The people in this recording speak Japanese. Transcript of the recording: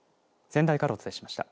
仙台からお伝えしました